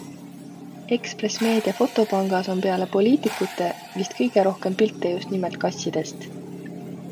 Ekspress Meedia fotopangas on peale poliitikute vist kõige rohkem pilte just nimelt kassidest .